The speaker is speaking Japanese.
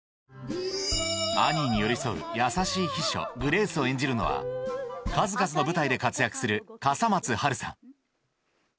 アニーに寄り添う優しい秘書グレースを演じるのは数々の舞台で活躍する笠松はるさん